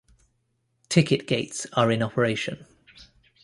Ticket gates are in operation.